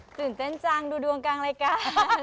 ตื่นเต้นจังดูดวงกลางรายการ